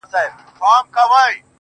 د بېوفا لفظونه راوړل.